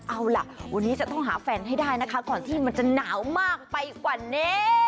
เอาล่ะวันนี้จะต้องหาแฟนให้ได้นะคะก่อนที่มันจะหนาวมากไปกว่านี้